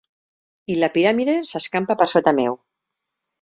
I la piràmide s'escampa per sota meu.